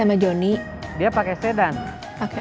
masih tau dong